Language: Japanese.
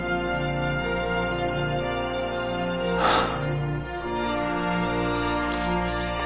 はあ。